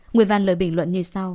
người văn lời bình luận